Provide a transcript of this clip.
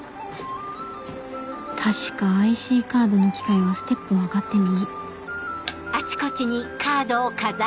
確か ＩＣ カードの機械はステップを上がって右